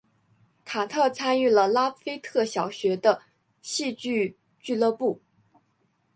卡特参与了拉斐特小学的戏剧俱乐部。